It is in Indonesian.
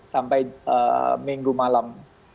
sampai minggu malam